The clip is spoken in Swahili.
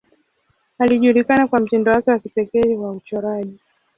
Alijulikana kwa mtindo wake wa kipekee wa uchoraji.